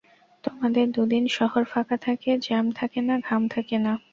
তোমাদের দুদিন শহর ফাঁকা থাকে, জ্যাম থাকে না, ঘাম থাকে না।